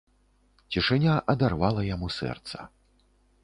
Цішыня адарвала яму сэрца.